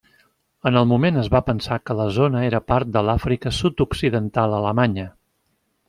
En el moment es va pensar que la zona era part de l'Àfrica Sud-occidental Alemanya.